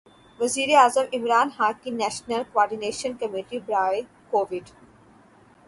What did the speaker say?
وزیرِ اعظم عمران خان کی نیشنل کوارڈینیشن کمیٹی برائے کوویڈ